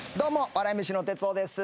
笑い飯の哲夫です。